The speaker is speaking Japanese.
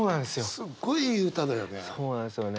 すっごいいい歌だよね。